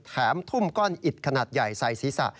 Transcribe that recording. แถมทุ่มก้อนอิดขนาดใหญ่ใส่ศีรษะ